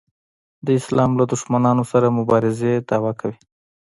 د اسلام له دښمنانو سره مبارزې دعوا کوي.